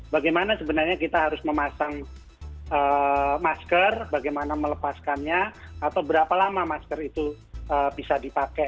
bagaimana sebenarnya kita harus memasang masker bagaimana melepaskannya atau berapa lama masker itu bisa dipakai